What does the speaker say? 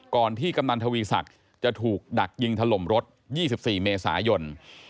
ที่กำนันทวีศักดิ์จะถูกดักยิงถล่มรถ๒๔เมษายน